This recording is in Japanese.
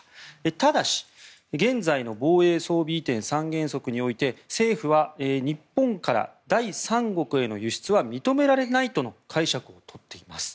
ただし、現在の防衛装備移転三原則において政府は日本から第三国への輸出は認められないとの解釈を取っています。